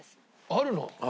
あるの？